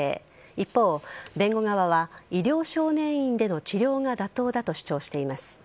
一方、弁護側は医療少年院での治療が妥当だと主張しています。